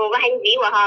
và hành vi của họ